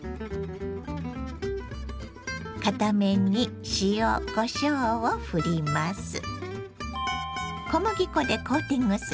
片面に塩こしょうをふります。